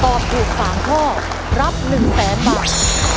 ตอบถูก๓ข้อรับ๑๐๐๐๐บาท